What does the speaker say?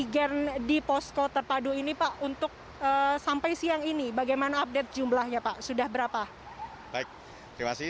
baik terima kasih